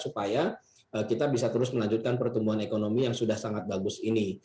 supaya kita bisa terus melanjutkan pertumbuhan ekonomi yang sudah sangat bagus ini